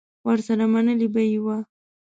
ورسره منلې به یې وه